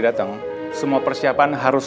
datang semua persiapan harus